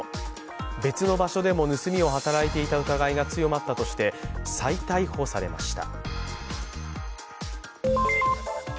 別の場所でも盗みを働いていた疑いが強まったとして、再逮捕されました。